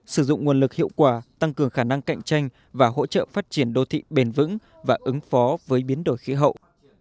sử dụng nguồn lực hiệu quả tăng cường khả năng cạnh tranh và hỗ trợ phát triển đô thị bền vững và ứng phó với biến đổi khí hậu